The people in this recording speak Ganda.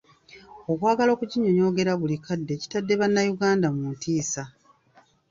Okwagala okuginyonyogera buli kadde kitadde bannayuganda mu ntiisa.